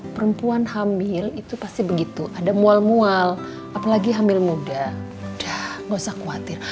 perempuan hamil itu pasti begitu ada mual mual apalagi hamil muda dah gak usah khawatir